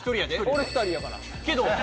俺２人やから。